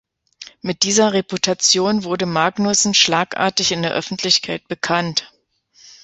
Mit dieser Reputation wurde Magnussen schlagartig in der Öffentlichkeit bekannt.